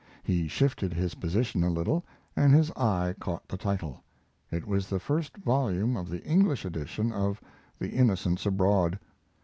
He shifted his position a little and his eye caught the title. It was the first volume of the English edition of The Innocents Abroad.